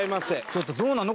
ちょっとどうなの？